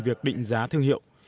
việc định giá thương hiệu